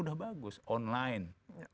udah bagus online